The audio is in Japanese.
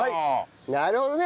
なるほどね。